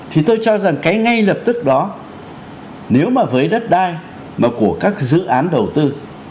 thì tôi cho rằng cái ngay lập tức đó nếu mà với đất đai mà của các dự án đầu tư